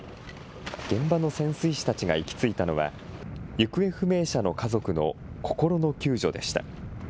現場の潜水士たちが行き着いたのは、行方不明者の家族の心の救助でした。